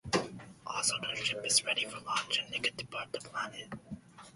Also their ship is now ready for launch, and they can depart the planet.